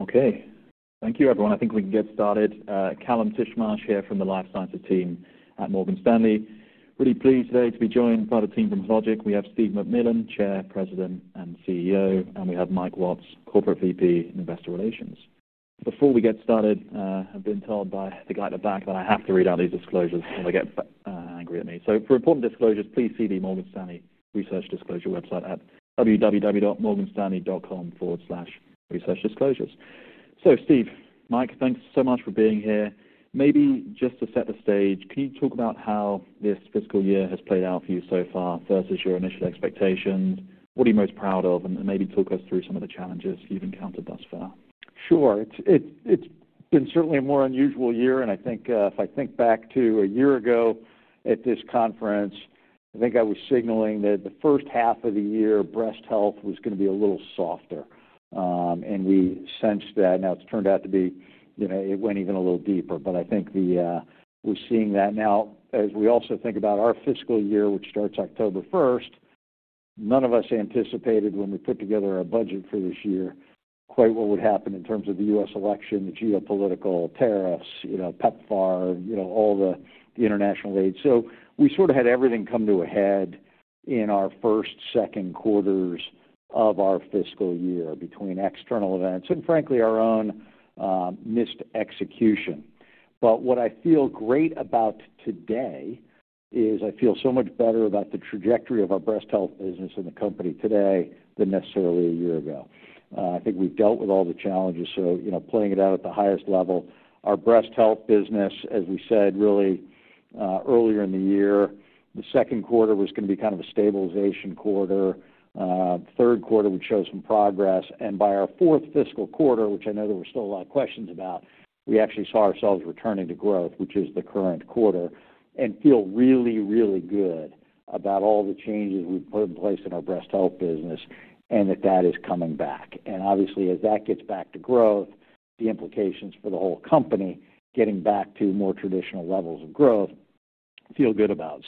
Okay. Thank you, everyone. I think we can get started. Callum Tishmarsh here from the Life Sciences team at Morgan Stanley. Really pleased today to be joined by the team from Hologic. We have Steve MacMillan, Chair, President, and CEO, and we have Michael Watts, Corporate Vice President and Investor Relations. Before we get started, I've been told by the guy at the back that I have to read out these disclosures or they get angry at me. For important disclosures, please see the Morgan Stanley Research Disclosure website at www.morganstanley.com/research-disclosures. Steve, Mike, thanks so much for being here. Maybe just to set the stage, can you talk about how this fiscal year has played out for you so far versus your initial expectations? What are you most proud of? Maybe talk us through some of the challenges you've encountered thus far. Sure. It's been certainly a more unusual year. I think if I think back to a year ago at this conference, I was signaling that the first half of the year, breast health was going to be a little softer, and we sensed that. Now it's turned out to be, you know, it went even a little deeper. I think we're seeing that now. As we also think about our fiscal year, which starts October 1, none of us anticipated when we put together a budget for this year quite what would happen in terms of the U.S. election, the geopolitical tariffs, you know, PEPFAR, all the international aid. We sort of had everything come to a head in our first, second quarters of our fiscal year between external events and, frankly, our own missed execution. What I feel great about today is I feel so much better about the trajectory of our breast health business in the company today than necessarily a year ago. I think we've dealt with all the challenges. Playing it out at the highest level, our breast health business, as we said earlier in the year, the second quarter was going to be kind of a stabilization quarter, third quarter would show some progress, and by our fourth fiscal quarter, which I know there were still a lot of questions about, we actually saw ourselves returning to growth, which is the current quarter, and feel really, really good about all the changes we put in place in our breast health business and that that is coming back. Obviously, as that gets back to growth, the implications for the whole company getting back to more traditional levels of growth feel good about.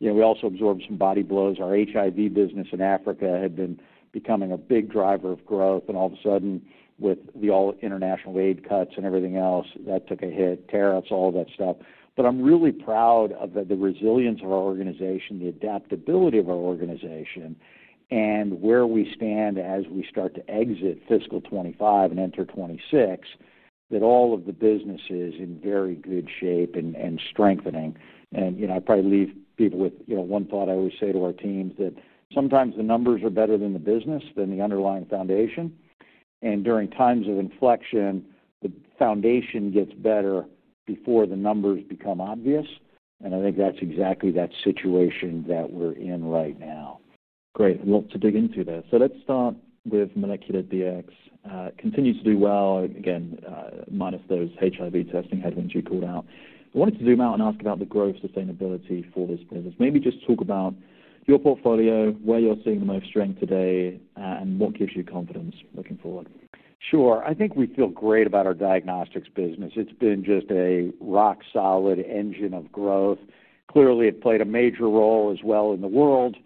We also absorbed some body blows. Our HIV business in Africa had been becoming a big driver of growth, and all of a sudden, with the all-international aid cuts and everything else, that took a hit, tariffs, all that stuff. I'm really proud of the resilience of our organization, the adaptability of our organization, and where we stand as we start to exit fiscal 2025 and enter 2026, that all of the business is in very good shape and strengthening. I probably leave people with one thought I always say to our teams that sometimes the numbers are better than the business, than the underlying foundation. During times of inflection, the foundation gets better before the numbers become obvious. I think that's exactly that situation that we're in right now. Great. Let's dig into that. Let's start with MolecularDx. It continues to do well again, minus those HIV testing headwinds you called out. I wanted to zoom out and ask about the growth sustainability for this business. Maybe just talk about your portfolio, where you're seeing the most strength today, and what gives you confidence looking forward. Sure. I think we feel great about our diagnostics business. It's been just a rock-solid engine of growth. It clearly played a major role as well in the world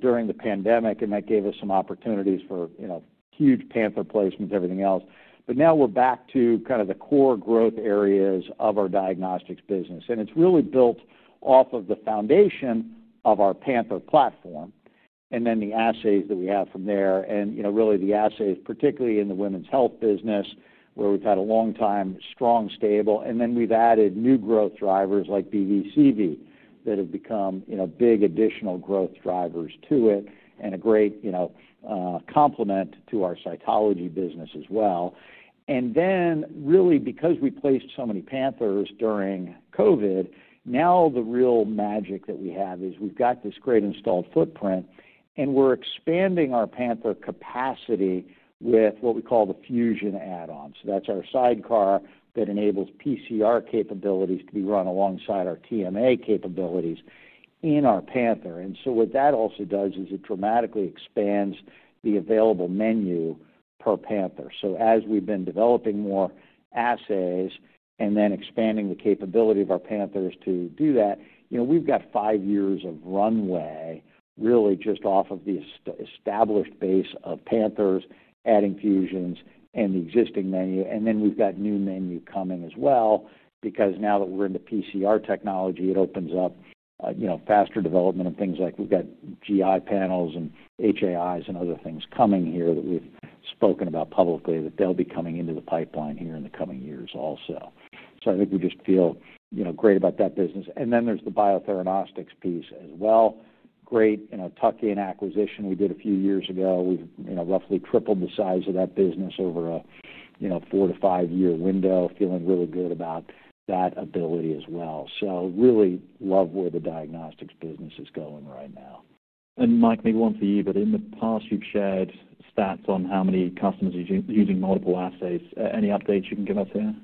during the pandemic. That gave us some opportunities for huge Panther placements, everything else. Now we're back to the core growth areas of our diagnostics business. It's really built off of the foundation of our Panther platform and then the assays that we have from there. The assays, particularly in the women's health business, where we've had a long-time strong stable, and then we've added new growth drivers like BVCV that have become big additional growth drivers to it and a great complement to our cytology business as well. Because we placed so many Panthers during COVID, now the real magic that we have is we've got this great installed footprint. We're expanding our Panther capacity with what we call the Fusion add-on. That's our sidecar that enables PCR capabilities to be run alongside our TMA capabilities in our Panther. What that also does is it dramatically expands the available menu per Panther. As we've been developing more assays and then expanding the capability of our Panthers to do that, we've got five years of runway really just off of the established base of Panthers adding Fusions and the existing menu. We've got new menu coming as well because now that we're into PCR technology, it opens up faster development of things like we've got GI panels and HAIs and other things coming here that we've spoken about publicly that they'll be coming into the pipeline here in the coming years also. I think we just feel great about that business. There's the biothermostics piece as well. Great tuck-in acquisition we did a few years ago. We've roughly tripled the size of that business over a four to five-year window, feeling really good about that ability as well. Really love where the diagnostics business is going right now. Mike, maybe one for you, but in the past, you've shared stats on how many customers are using multiple assays. Any updates you can give us here?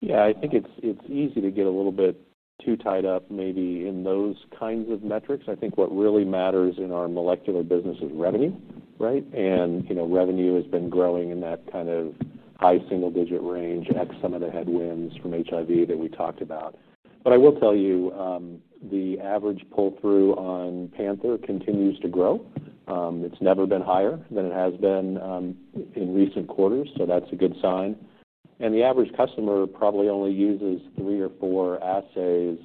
Yeah. I think it's easy to get a little bit too tied up maybe in those kinds of metrics. I think what really matters in our molecular business is revenue, right? Revenue has been growing in that kind of high single-digit range at some of the headwinds from HIV that we talked about. I will tell you, the average pull-through on Panther continues to grow. It's never been higher than it has been in recent quarters. That's a good sign. The average customer probably only uses three or four assays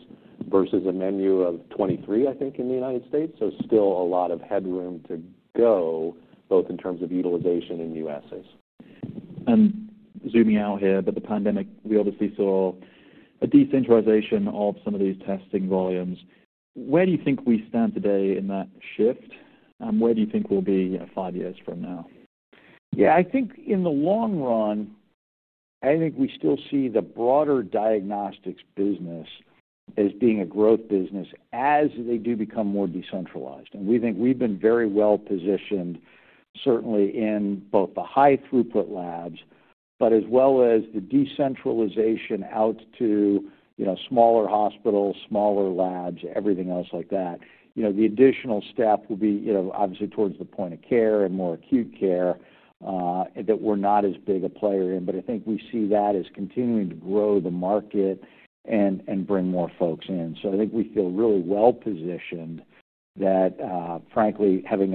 versus a menu of 23, I think, in the United States. Still a lot of headroom to go both in terms of utilization and new assays. Zooming out here, the pandemic, we obviously saw a decentralization of some of these testing volumes. Where do you think we stand today in that shift? Where do you think we'll be five years from now? Yeah. I think in the long run, I think we still see the broader diagnostics business as being a growth business as they do become more decentralized. We think we've been very well positioned, certainly in both the high-throughput labs, as well as the decentralization out to, you know, smaller hospitals, smaller labs, everything else like that. The additional step will be, you know, obviously towards the point of care and more acute care, that we're not as big a player in. I think we see that as continuing to grow the market and bring more folks in. I think we feel really well positioned that, frankly, having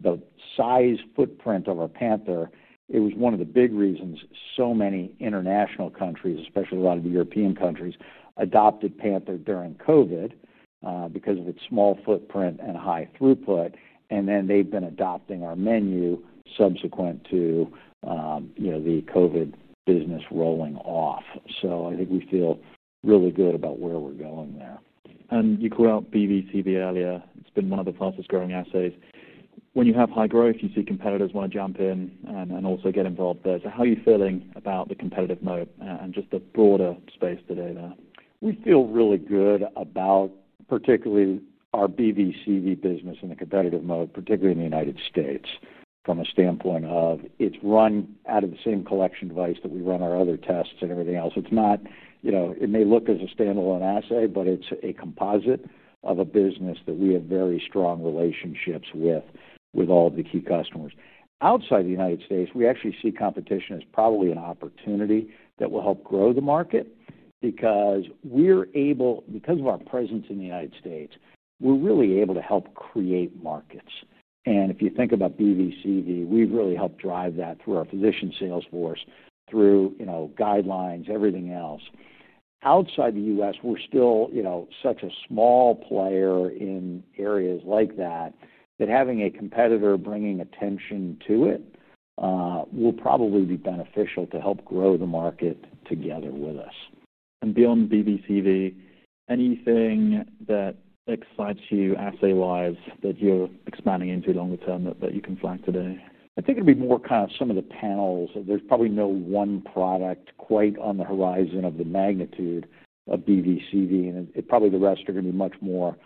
the size footprint of our Panther, it was one of the big reasons so many international countries, especially a lot of the European countries, adopted Panther during COVID, because of its small footprint and high throughput. They've been adopting our menu subsequent to, you know, the COVID business rolling off. I think we feel really good about where we're going there. You called out BVCV earlier. It's been one of the fastest growing assays. When you have high growth, you see competitors want to jump in and also get involved there. How are you feeling about the competitive mode and just the broader space today there? We feel really good about particularly our BVCV business in the competitive mode, particularly in the United States, from a standpoint of it's run out of the same collection device that we run our other tests and everything else. It's not, you know, it may look as a standalone assay, but it's a composite of a business that we have very strong relationships with all of the key customers. Outside the United States, we actually see competition as probably an opportunity that will help grow the market because we're able, because of our presence in the United States, we're really able to help create markets. If you think about BVCV, we've really helped drive that through our physician salesforce, through guidelines, everything else. Outside the United States, we're still such a small player in areas like that that having a competitor bringing attention to it will probably be beneficial to help grow the market together with us. Beyond BVCV, anything that excites you assay-wise that you're expanding into longer term that you can flag today? I think it'll be more kind of some of the panels. There's probably no one product quite on the horizon of the magnitude of BVCV. It's probably the rest are going to be much more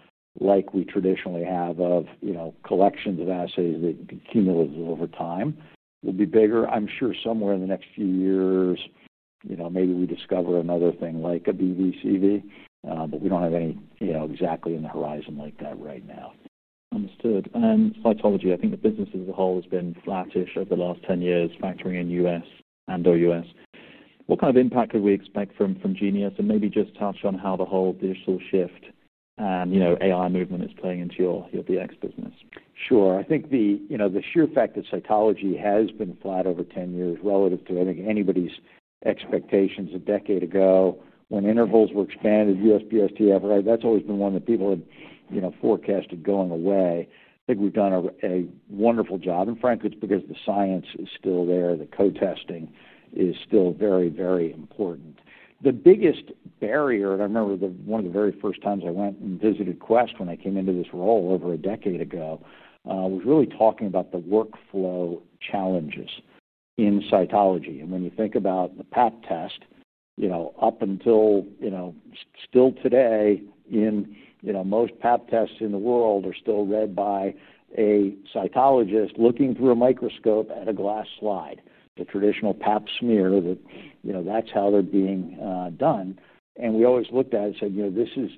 like we traditionally have of, you know, collections of assays that accumulated over time. It'll be bigger. I'm sure somewhere in the next few years, maybe we discover another thing like a BVCV, but we don't have any, you know, exactly in the horizon like that right now. Understood. Cytology, I think the business as a whole has been flatish over the last 10 years, factoring in U.S. and OUS. What kind of impact could we expect from GeneX and maybe just touch on how the whole digital shift and, you know, AI movement is playing into your DX business? Sure. I think the sheer fact that cytology has been flat over 10 years relative to, I think, anybody's expectations a decade ago when intervals were expanded, USPST, everything, that's always been one that people had forecasted going away. I think we've done a wonderful job. Frankly, it's because the science is still there. The co-testing is still very, very important. The biggest barrier, and I remember one of the very first times I went and visited Quest when I came into this role over a decade ago, was really talking about the workflow challenges in cytology. When you think about the pap test, up until, still today, most pap tests in the world are still read by a cytologist looking through a microscope at a glass slide. The traditional pap smear, that's how they're being done. We always looked at it and said, this is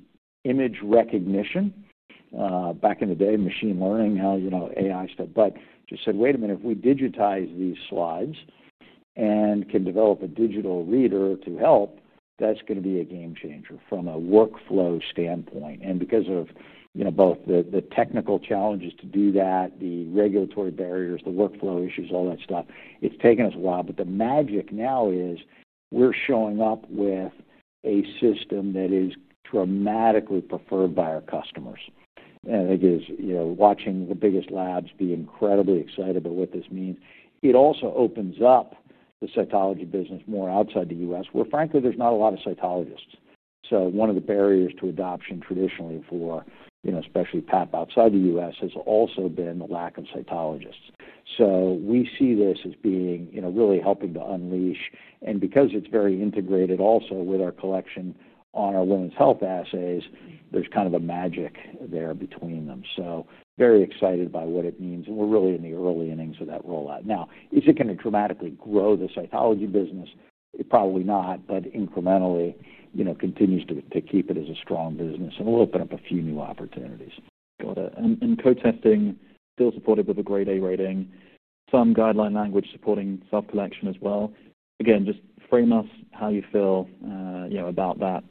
image recognition. Back in the day, machine learning, AI stuff. We said, wait a minute, if we digitize these slides and can develop a digital reader to help, that's going to be a game changer from a workflow standpoint. Because of both the technical challenges to do that, the regulatory barriers, the workflow issues, all that stuff, it's taken us a while. The magic now is we're showing up with a system that is dramatically preferred by our customers. I think it is watching the biggest labs be incredibly excited about what this means. It also opens up the cytology business more outside the U.S., where frankly, there's not a lot of cytologists. One of the barriers to adoption traditionally for especially pap outside the U.S. has also been the lack of cytologists. We see this as being really helping to unleash. Because it's very integrated also with our collection on our women's health assays, there's kind of a magic there between them. Very excited by what it means. We're really in the early innings of that rollout. Now, is it going to dramatically grow the cytology business? It's probably not, but incrementally, continues to keep it as a strong business and will open up a few new opportunities. Got it. Co-testing is still supported with a Grade A rating, with some guideline language supporting self-collection as well. Again, just frame us how you feel about that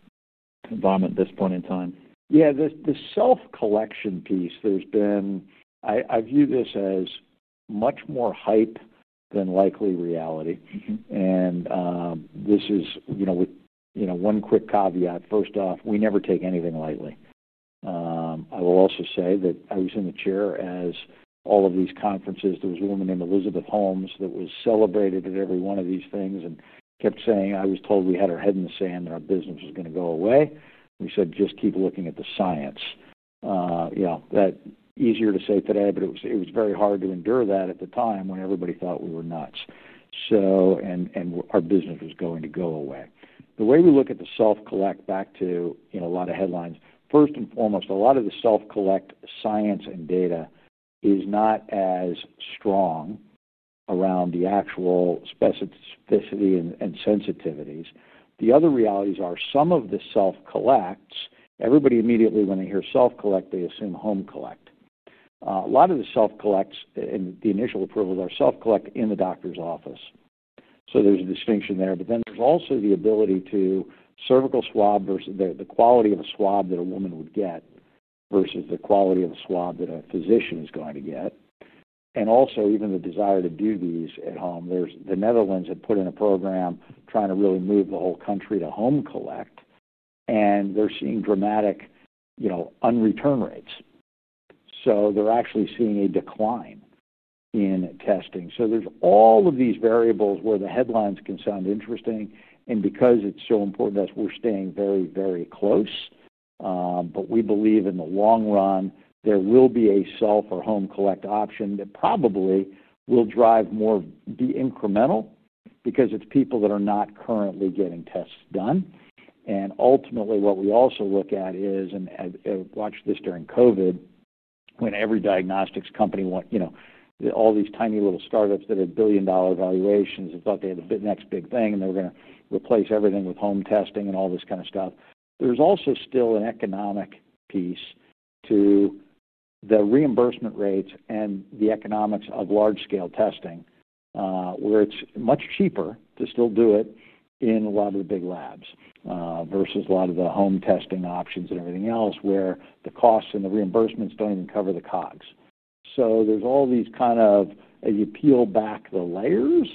environment at this point in time. Yeah. The self-collection piece, there's been, I view this as much more hype than likely reality. This is, you know, with one quick caveat. First off, we never take anything lightly. I will also say that I was in the chair at all of these conferences. There was a woman named Elizabeth Holmes that was celebrated at every one of these things and kept saying, "I was told we had our head in the sand and our business was going to go away." We said, "Just keep looking at the science." Easier to say today, but it was very hard to endure that at the time when everybody thought we were nuts, and our business was going to go away. The way we look at the self-collect, back to a lot of headlines, first and foremost, a lot of the self-collect science and data is not as strong around the actual specificity and sensitivities. The other realities are some of the self-collects, everybody immediately when they hear self-collect, they assume home collect. A lot of the self-collects and the initial approvals are self-collect in the doctor's office, so there's a distinction there. There's also the ability to cervical swab versus the quality of a swab that a woman would get versus the quality of a swab that a physician is going to get, and also even the desire to do these at home. There's the Netherlands that put in a program trying to really move the whole country to home collect, and they're seeing dramatic unreturn rates. They're actually seeing a decline in testing. There are all of these variables where the headlines can sound interesting. Because it's so important, that's why we're staying very, very close. We believe in the long run, there will be a self or home collect option that probably will drive more incremental because it's people that are not currently getting tests done. Ultimately, what we also look at is, and I watched this during COVID when every diagnostics company wanted, all these tiny little startups that had billion-dollar valuations and thought they had the next big thing and they were going to replace everything with home testing and all this kind of stuff. There's also still an economic piece to the reimbursement rates and the economics of large-scale testing, where it's much cheaper to still do it in a lot of the big labs versus a lot of the home testing options and everything else where the costs and the reimbursements don't even cover the COGs. As you peel back the layers,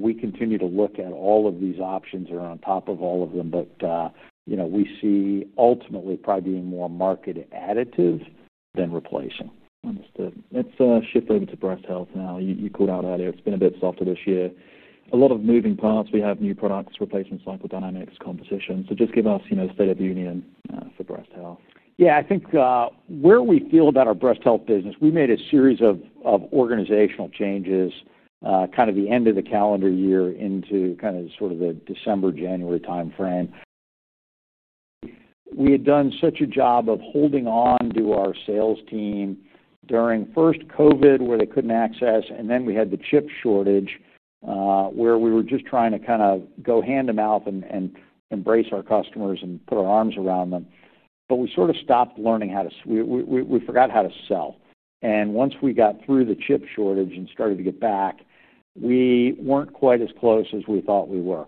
we continue to look at all of these options that are on top of all of them. We see ultimately probably being more market additive than replacing. Understood. Let's shift over to breast health now. You called out earlier, it's been a bit softer this year. A lot of moving parts. We have new products, replacement cycle dynamics, competition. Just give us, you know, the state of the union for breast health. Yeah. I think, where we feel about our breast health business, we made a series of organizational changes, kind of the end of the calendar year into kind of the December, January timeframe. We had done such a job of holding on to our sales team during first COVID where they couldn't access, and then we had the chip shortage, where we were just trying to kind of go hand-to-mouth and embrace our customers and put our arms around them. We sort of stopped learning how to, we forgot how to sell. Once we got through the chip shortage and started to get back, we weren't quite as close as we thought we were.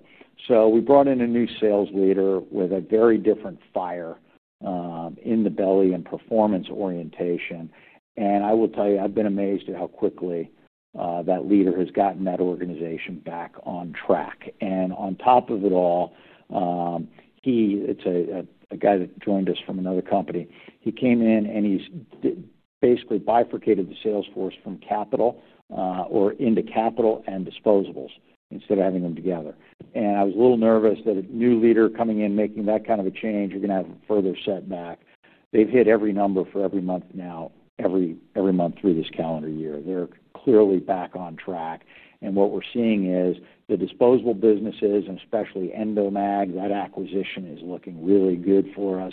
We brought in a new sales leader with a very different fire in the belly and performance orientation. I will tell you, I've been amazed at how quickly that leader has gotten that organization back on track. On top of it all, he, it's a guy that joined us from another company. He came in and he basically bifurcated the salesforce from capital, or into capital and disposables instead of having them together. I was a little nervous that a new leader coming in making that kind of a change, you're going to have a further setback. They've hit every number for every month now, every month through this calendar year. They're clearly back on track. What we're seeing is the disposable businesses and especially Endomag, that acquisition is looking really good for us.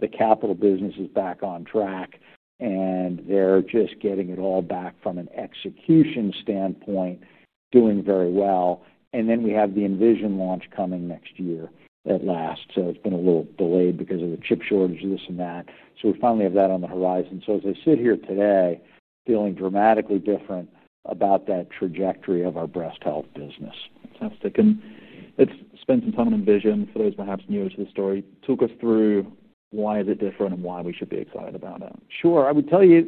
The capital business is back on track. They're just getting it all back from an execution standpoint, doing very well. We have the Envision launch coming next year at last. It's been a little delayed because of the chip shortage, of this and that. We finally have that on the horizon. As I sit here today, feeling dramatically different about that trajectory of our breast health business. Sounds sticking. Let's spend some time on Envision. For those perhaps new to the story, talk us through why is it different and why we should be excited about it. Sure. I would tell you,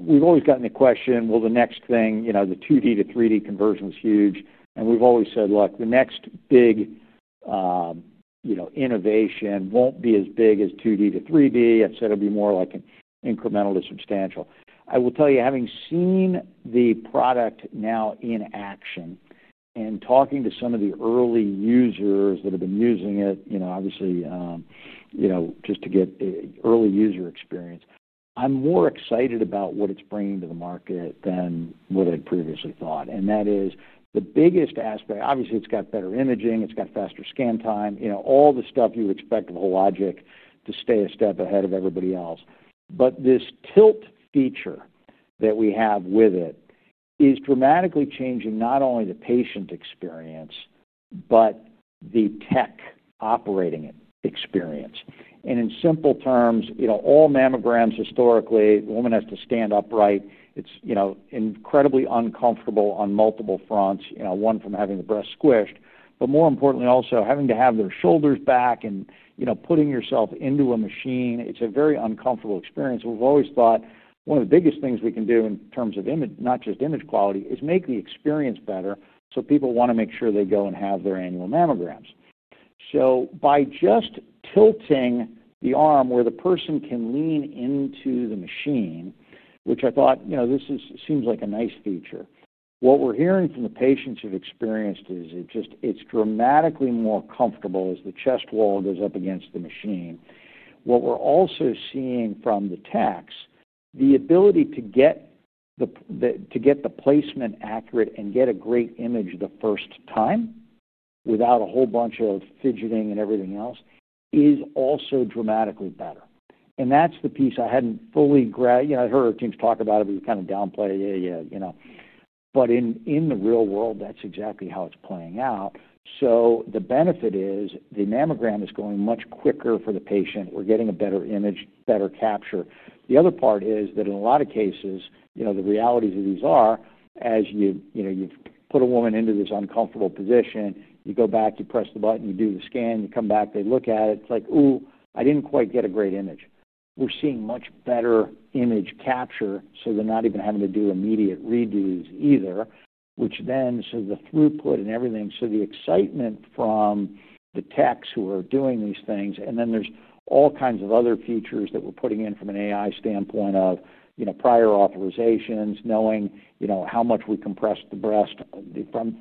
we've always gotten the question, well, the next thing, you know, the 2D to 3D conversion is huge. We've always said, look, the next big innovation won't be as big as 2D to 3D. I've said it'll be more like an incremental to substantial. I will tell you, having seen the product now in action and talking to some of the early users that have been using it, obviously, just to get early user experience, I'm more excited about what it's bringing to the market than what I'd previously thought. That is the biggest aspect. Obviously, it's got better imaging. It's got faster scan time, all the stuff you would expect of Hologic to stay a step ahead of everybody else. This tilt feature that we have with it is dramatically changing not only the patient experience, but the tech operating experience. In simple terms, all mammograms historically, a woman has to stand upright. It's incredibly uncomfortable on multiple fronts, one from having the breast squished, but more importantly, also having to have their shoulders back and putting yourself into a machine. It's a very uncomfortable experience. We've always thought one of the biggest things we can do in terms of image, not just image quality, is make the experience better. People want to make sure they go and have their annual mammograms. By just tilting the arm where the person can lean into the machine, which I thought, this seems like a nice feature, what we're hearing from the patients who've experienced is it just, it's dramatically more comfortable as the chest wall goes up against the machine. What we're also seeing from the techs, the ability to get the placement accurate and get a great image the first time without a whole bunch of fidgeting and everything else is also dramatically better. That's the piece I hadn't fully grasped yet. I heard our teams talk about it, but we kind of downplayed it. Yeah, yeah, you know. In the real world, that's exactly how it's playing out. The benefit is the mammogram is going much quicker for the patient. We're getting a better image, better capture. The other part is that in a lot of cases, the realities of these are, as you've put a woman into this uncomfortable position, you go back, you press the button, you do the scan, you come back, they look at it. It's like, "Ooh, I didn't quite get a great image." We're seeing much better image capture, so they're not even having to do immediate redos either, which improves the throughput and everything. The excitement from the techs who are doing these things is clear. There are all kinds of other features that we're putting in from an AI standpoint, like prior authorizations, knowing how much we compressed the breast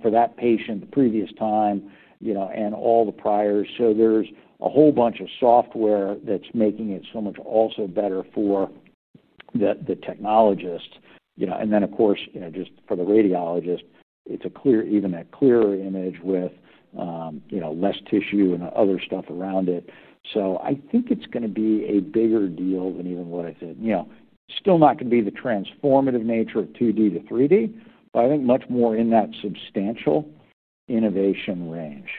for that patient the previous time, and all the priors. There's a whole bunch of software that's making it so much also better for the technologists. Of course, just for the radiologists, it's a clear, even a clearer image with less tissue and other stuff around it. I think it's going to be a bigger deal than even what I said. It's still not going to be the transformative nature of 2D to 3D, but I think much more in that substantial innovation range.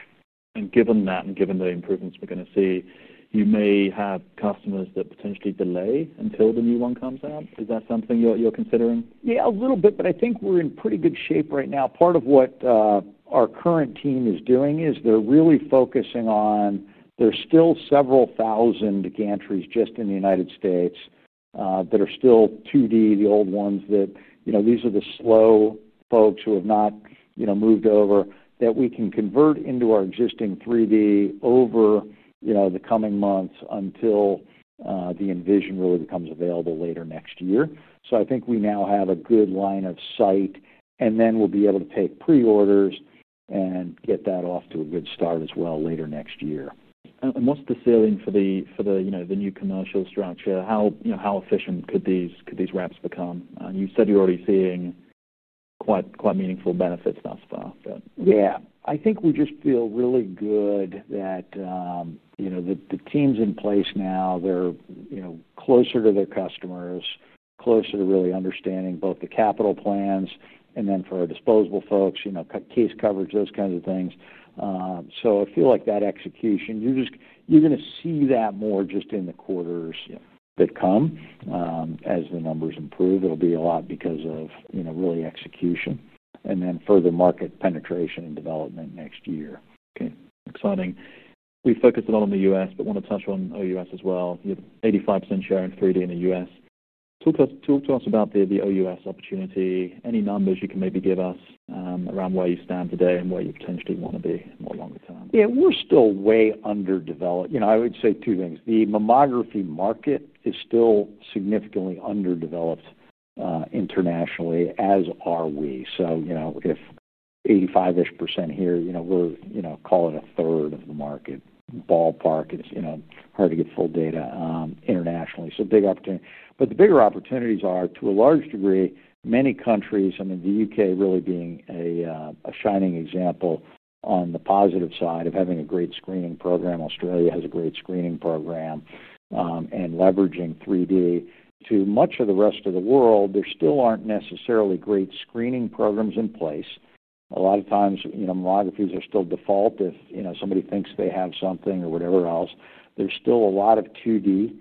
Given that and given the improvements we're going to see, you may have customers that potentially delay until the new one comes out. Is that something you're considering? Yeah, a little bit, but I think we're in pretty good shape right now. Part of what our current team is doing is they're really focusing on, there's still several thousand gantries just in the United States that are still 2D, the old ones that, you know, these are the slow folks who have not, you know, moved over, that we can convert into our existing 3D over the coming months until the Envision Mammography Platform really becomes available later next year. I think we now have a good line of sight, and then we'll be able to take pre-orders and get that off to a good start as well later next year. What is the ceiling for the new commercial structure? How efficient could these reps become? You said you're already seeing quite meaningful benefits thus far. Yeah. I think we just feel really good that, you know, the team's in place now. They're, you know, closer to their customers, closer to really understanding both the capital plans and then for our disposable folks, you know, case coverage, those kinds of things. I feel like that execution, you're just, you're going to see that more just in the quarters that come, as the numbers improve. It'll be a lot because of, you know, really execution and then further market penetration and development next year. Okay. Exciting. We focused a lot on the U.S., but want to touch on OUS as well. You have an 85% share in 3D in the U.S. Talk to us about the OUS opportunity. Any numbers you can maybe give us around where you stand today and where you potentially want to be in the longer term? Yeah. We're still way underdeveloped. I would say two things. The mammography market is still significantly underdeveloped internationally, as are we. If 85% here, we'll call it a third of the market ballpark. It's hard to get full data internationally. Big opportunity. The bigger opportunities are, to a large degree, many countries, I mean, the UK really being a shining example on the positive side of having a great screening program. Australia has a great screening program and leveraging 3D. To much of the rest of the world, there still aren't necessarily great screening programs in place. A lot of times, mammographies are still default if somebody thinks they have something or whatever else. There's still a lot of 2D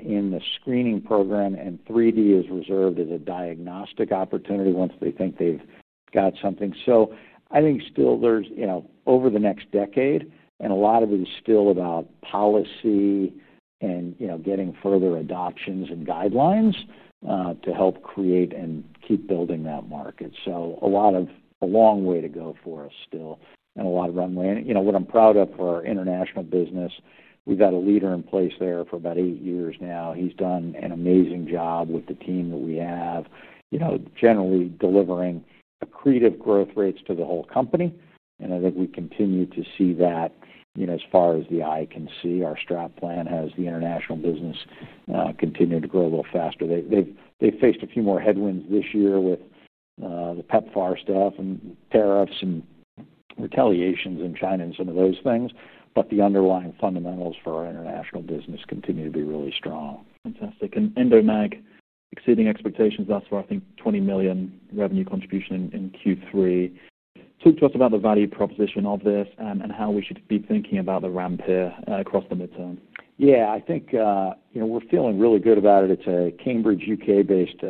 in the screening program, and 3D is reserved as a diagnostic opportunity once they think they've got something. I think still there's, over the next decade, and a lot of it is still about policy and getting further adoptions and guidelines to help create and keep building that market. A long way to go for us still and a lot of runway. What I'm proud of for our international business, we've had a leader in place there for about eight years now. He's done an amazing job with the team that we have, generally delivering accretive growth rates to the whole company. I think we continue to see that as far as the eye can see. Our STRAT plan has the international business continue to grow a little faster. They've faced a few more headwinds this year with the PEPFAR stuff and tariffs and retaliations in China and some of those things. The underlying fundamentals for our international business continue to be really strong. Fantastic. Endomag exceeding expectations thus far. I think $20 million revenue contribution in Q3. Talk to us about the value proposition of this and how we should be thinking about the ramp here across the midterm. Yeah. I think, you know, we're feeling really good about it. It's a Cambridge, UK-based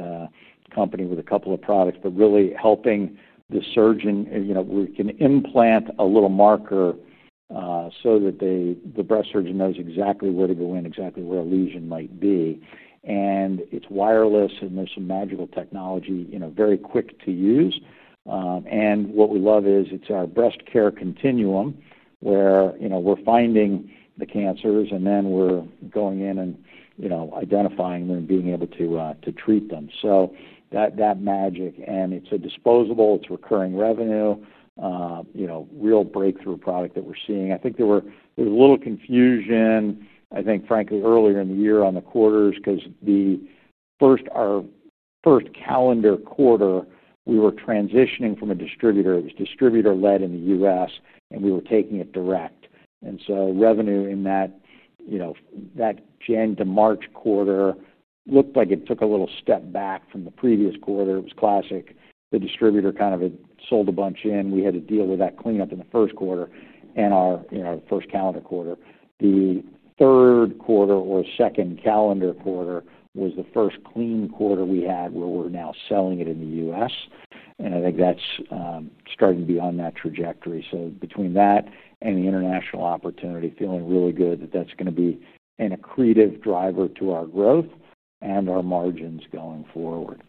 company with a couple of products, but really helping the surgeon. You know, we can implant a little marker so that the breast surgeon knows exactly where to go in, exactly where a lesion might be. It's wireless, and there's some magical technology, very quick to use. What we love is it's our breast care continuum where we're finding the cancers and then we're going in and identifying them and being able to treat them. That magic. It's a disposable. It's recurring revenue, you know, real breakthrough product that we're seeing. I think there was a little confusion, frankly, earlier in the year on the quarters because our first calendar quarter, we were transitioning from a distributor. It was distributor-led in the U.S., and we were taking it direct. Revenue in that January to March quarter looked like it took a little step back from the previous quarter. It was classic. The distributor kind of had sold a bunch in. We had to deal with that cleanup in the first quarter and our first calendar quarter. The third quarter or second calendar quarter was the first clean quarter we had where we're now selling it in the U.S. I think that's starting to be on that trajectory. Between that and the international opportunity, feeling really good that that's going to be an accretive driver to our growth and our margins going forward.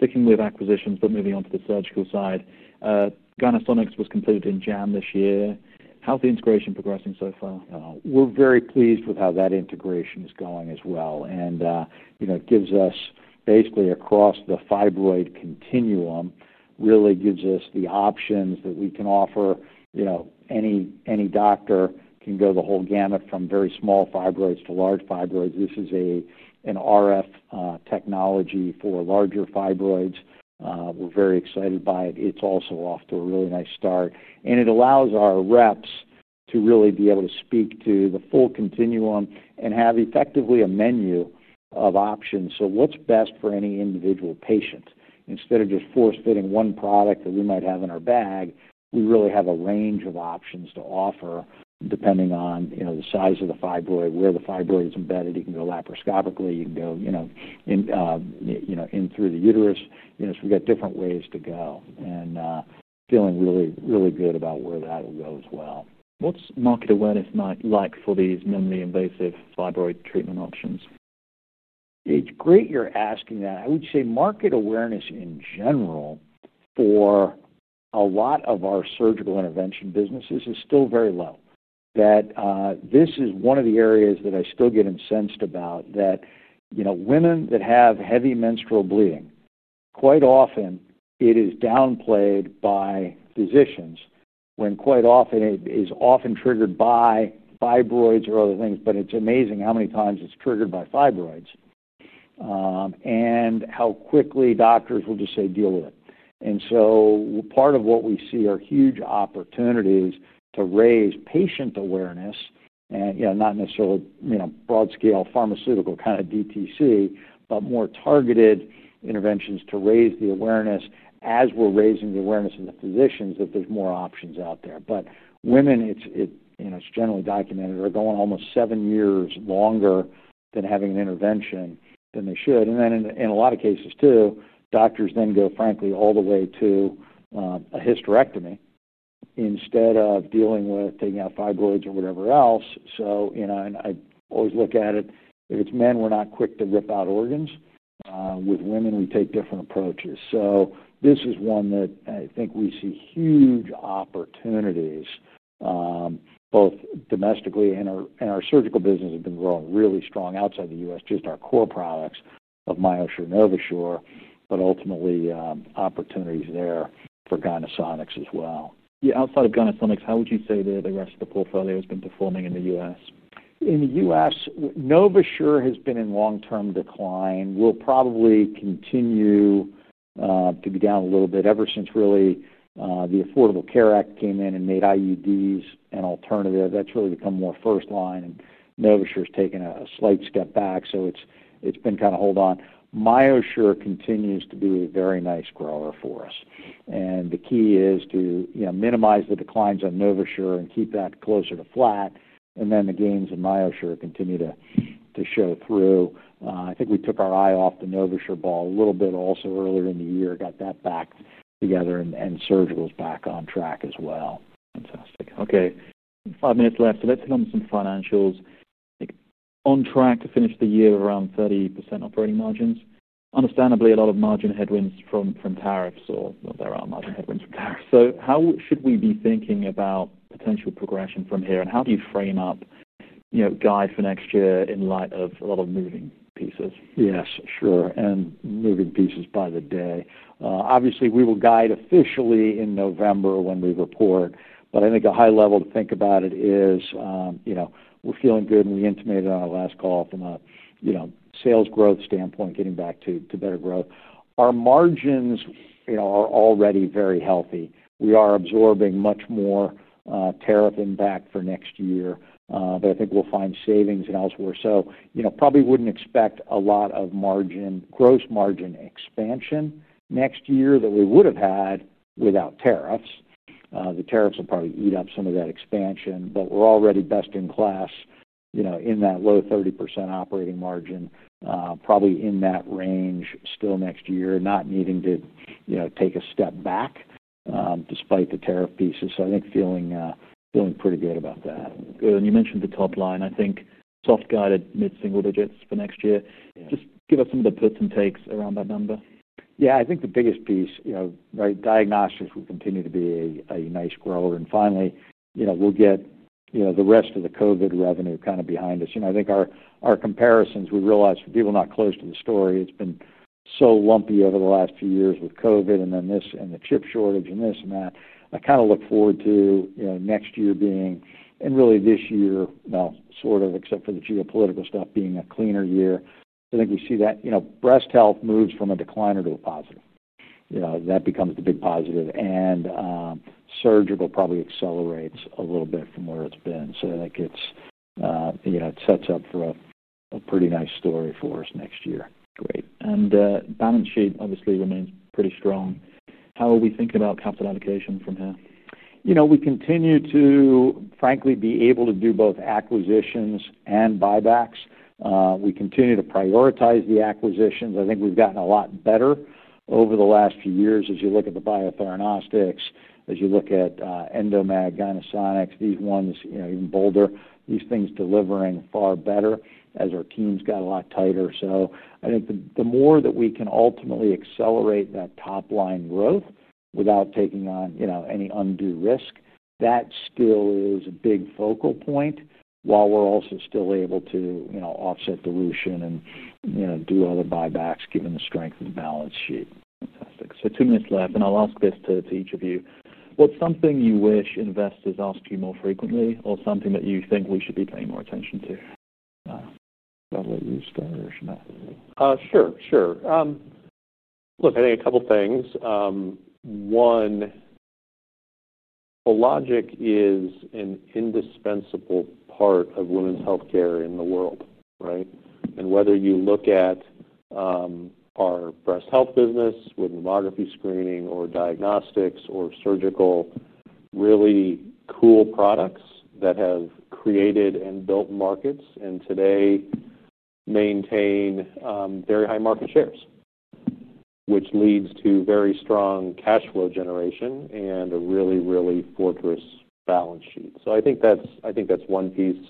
Ticking with acquisition, but moving on to the surgical side. Gynesonics was completed in JAM this year. How's the integration progressing so far? We're very pleased with how that integration is going as well. It gives us basically across the fibroid continuum, really gives us the options that we can offer. Any doctor can go the whole gamut from very small fibroids to large fibroids. This is an RF technology for larger fibroids. We're very excited by it. It's also off to a really nice start. It allows our reps to really be able to speak to the full continuum and have effectively a menu of options. What's best for any individual patient? Instead of just force-fitting one product that we might have in our bag, we really have a range of options to offer depending on the size of the fibroid, where the fibroid is embedded. You can go laparoscopically. You can go in through the uterus. We've got different ways to go. Feeling really, really good about where that will go as well. What's market awareness like for these minimally invasive fibroid treatment options? It's great you're asking that. I would say market awareness in general for a lot of our surgical intervention businesses is still very low. This is one of the areas that I still get incensed about that, you know, women that have heavy menstrual bleeding, quite often it is downplayed by physicians when quite often it is often triggered by fibroids or other things. It's amazing how many times it's triggered by fibroids, and how quickly doctors will just say, "Deal with it." Part of what we see are huge opportunities to raise patient awareness and, you know, not necessarily, you know, broad-scale pharmaceutical kind of DTC, but more targeted interventions to raise the awareness as we're raising the awareness of the physicians that there's more options out there. Women, it's, you know, it's generally documented are going almost seven years longer than having an intervention than they should. In a lot of cases, too, doctors then go, frankly, all the way to a hysterectomy instead of dealing with taking out fibroids or whatever else. I always look at it, if it's men, we're not quick to rip out organs. With women, we take different approaches. This is one that I think we see huge opportunities, both domestically and our surgical business has been growing really strong outside the United States, just our core products of MyoSure and NovaSure, but ultimately, opportunities there for Gynesonics as well. Yeah. Outside of Gynesonics, how would you say the rest of the portfolio has been performing in the U.S.? In the U.S., NovaSure has been in long-term decline. We'll probably continue to be down a little bit ever since, really, the Affordable Care Act came in and made IUDs an alternative. That's really become more first line, and NovaSure has taken a slight step back. It's been kind of hold on. MyoSure continues to be a very nice grower for us. The key is to minimize the declines on NovaSure and keep that closer to flat, and then the gains in MyoSure continue to show through. I think we took our eye off the NovaSure ball a little bit also earlier in the year, got that back together, and Surgical is back on track as well. Fantastic. Okay. Five minutes left. Let's hit on some financials. Like on track to finish the year around 30% operating margins. Understandably, a lot of margin headwinds from tariffs. How should we be thinking about potential progression from here? How do you frame up, you know, guide for next year in light of a lot of moving pieces? Yes, sure. Moving pieces by the day. Obviously, we will guide officially in November when we report. I think a high level to think about it is, you know, we're feeling good and we intimated on our last call from a, you know, sales growth standpoint, getting back to better growth. Our margins, you know, are already very healthy. We are absorbing much more tariff impact for next year, that I think we'll find savings elsewhere. You probably wouldn't expect a lot of gross margin expansion next year that we would have had without tariffs. The tariffs will probably eat up some of that expansion, but we're already best in class, you know, in that low 30% operating margin, probably in that range still next year, not needing to take a step back, despite the tariff pieces. I think feeling pretty good about that. Good. You mentioned the top line, I think, soft guided mid-single digits for next year. Just give us some of the puts and takes around that number. I think the biggest piece, diagnostics will continue to be a nice grower. Finally, we'll get the rest of the COVID revenue kind of behind us. I think our comparisons, we realize for people not close to the story, it's been so lumpy over the last few years with COVID and then this and the chip shortage and this and that. I kind of look forward to next year being, and really this year, sort of, except for the geopolitical stuff, being a cleaner year. I think you see that breast health moves from a decliner to a positive. That becomes the big positive. Surgical probably accelerates a little bit from where it's been. I think it sets up for a pretty nice story for us next year. The balance sheet obviously remains pretty strong. How are we thinking about capital allocation from here? You know, we continue to, frankly, be able to do both acquisitions and buybacks. We continue to prioritize the acquisitions. I think we've gotten a lot better over the last few years as you look at the biothermadiagnostics, as you look at Endomag, Gynesonics, these ones, you know, even Boulder, these things delivering far better as our team's got a lot tighter. I think the more that we can ultimately accelerate that top line growth without taking on, you know, any undue risk, that still is a big focal point while we're also still able to, you know, offset dilution and, you know, do other buybacks given the strength of the balance sheet. Fantastic. Two minutes left. I'll ask this to each of you. What's something you wish investors asked you more frequently or something that you think we should be paying more attention to? I think a couple of things. One, Hologic is an indispensable part of women's healthcare in the world, right? Whether you look at our breast health business, with mammography screening or diagnostics or surgical, really cool products that have created and built markets and today maintain very high market shares, which leads to very strong cash flow generation and a really, really fortress balance sheet. I think that's one piece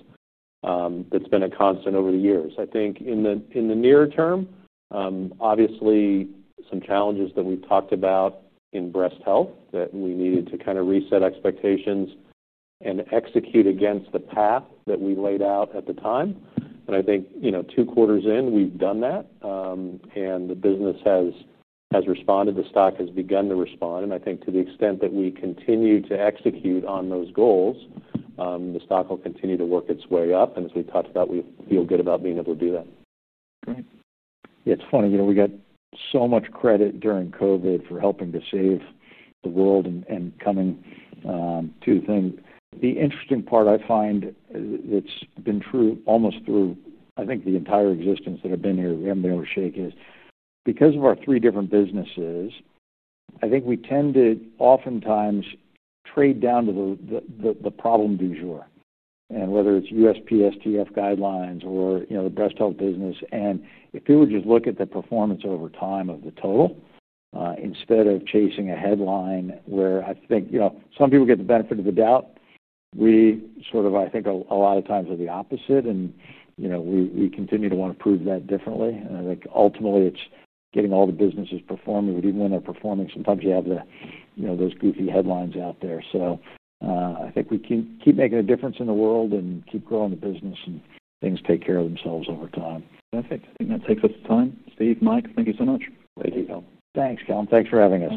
that's been a constant over the years. In the near term, obviously, some challenges that we've talked about in breast health that we needed to kind of reset expectations and execute against the path that we laid out at the time. I think, you know, two quarters in, we've done that, and the business has responded. The stock has begun to respond. I think to the extent that we continue to execute on those goals, the stock will continue to work its way up. As we talked about, we feel good about being able to do that. Great. Yeah, it's funny. You know, we got so much credit during COVID for helping to save the world and coming to things. The interesting part I find that's been true almost through, I think, the entire existence that I've been here, we haven't been able to shake is because of our three different businesses, I think we tend to oftentimes trade down to the problem du jour. Whether it's USPSTF guidelines or, you know, the breast health business. If people just look at the performance over time of the total, instead of chasing a headline where I think, you know, some people get the benefit of the doubt, we sort of, I think, a lot of times are the opposite. You know, we continue to want to prove that differently. I think ultimately, it's getting all the businesses performing. Even when they're performing, sometimes you have those goofy headlines out there. I think we can keep making a difference in the world and keep growing the business and things take care of themselves over time. Perfect. I think that takes us to time. Steve, Mike, thank you so much. Thank you, Callum. Thanks, Callum. Thanks for having us.